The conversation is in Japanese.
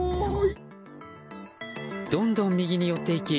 どんどん右に寄っていき